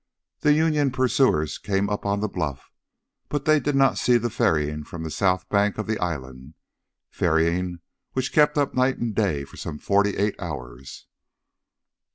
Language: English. The Union pursuers came up on the bluff, but they did not see the ferrying from the south bank of the island, ferrying which kept up night and day for some forty eight hours.